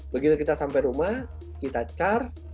begitu kita sampai rumah kita charge